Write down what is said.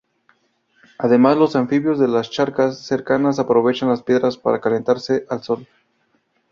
Además, los anfibios de las charcas cercanas aprovechan las piedras para calentarse al sol.